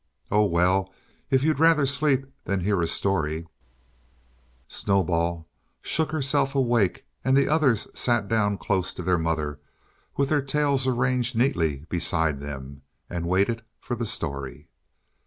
Oh, well; if you'd rather sleep than hear a story " Snowball shook herself awake, and the others sat down close to their mother with their tails arranged neatly beside them, and waited for the story.